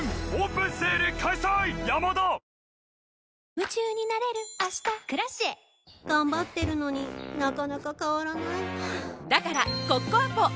夢中になれる明日「Ｋｒａｃｉｅ」頑張ってるのになかなか変わらないはぁだからコッコアポ！